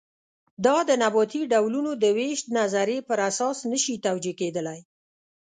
دا د نباتي ډولونو د وېش نظریې پر اساس نه شي توجیه کېدلی.